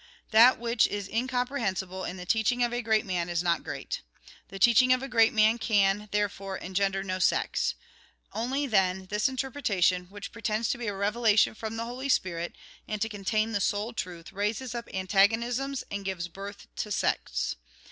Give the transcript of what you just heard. That which is in comprehensible in the teaching of a great man is not great. The teachiug of a great man can, therefore, engender no sects. Only, then, this interpretation, which pretends to be a revelation from the Holy Spirit, and to contain the sole truth, raises up antagonisms and gives birth to sects.